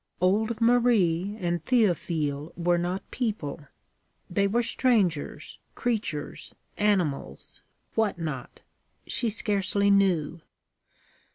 Old Marie and Théophile were not people: they were strangers, creatures, animals what not. She scarcely knew.